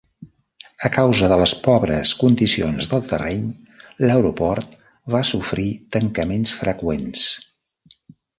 A causa de les pobres condicions del terreny l'aeroport va sofrir tancaments freqüents.